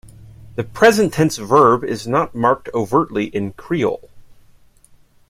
The present tense verb is not marked overtly in Kriol.